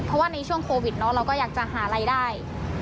เพราะว่าในช่วงโควิดเนาะเราก็อยากจะหารายได้